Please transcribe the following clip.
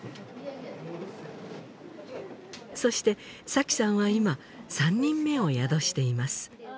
そして紗妃さんは今３人目を宿しています